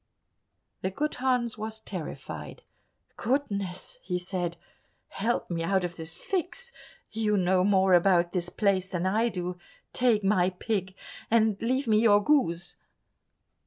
The good Hans was terrified. "Goodness!" he said, "help me out of this fix; you know more about this place than I do, take my pig and leave me your goose."